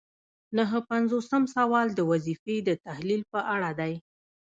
نهه پنځوسم سوال د وظیفې د تحلیل په اړه دی.